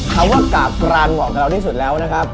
คำว่ากราบกรานเหมาะกับเราที่สุดแล้วนะครับ